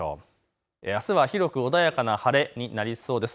あすは広く穏やかな晴れになりそうです。